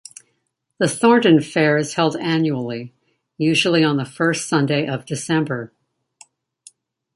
The Thorndon Fair is held annually, usually on the first Sunday of December.